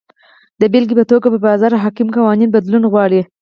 د بېلګې په توګه پر بازار حاکم قوانین بدلون غواړي.